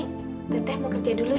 tete mau kerja dulu ya